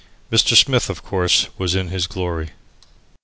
Mr. Smith, of course, was in his glory.